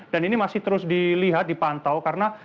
dan ini masih terus dilihat dipantau karena